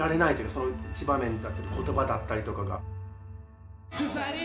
その一場面だったり言葉だったりとかが。